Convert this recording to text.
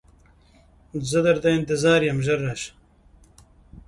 زه درته انتظار یم ژر راځه